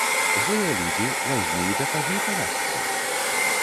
Злыя людзі вазьмі і дакажы палячцы.